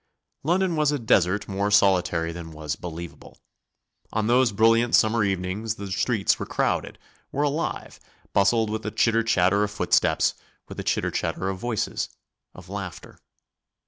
London was a desert more solitary than was believable. On those brilliant summer evenings the streets were crowded, were alive, bustled with the chitter chatter of footsteps, with the chitter chatter of voices, of laughter.